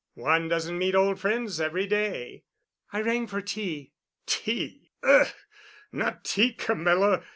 One doesn't meet old friends every day." "I rang for tea." "Tea? Ugh! Not tea, Camilla.